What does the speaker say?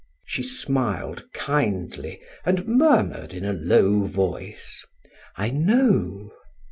She smiled kindly and murmured in a low voice: "I know."